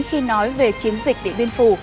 khi nói về chiến dịch địa biên phủ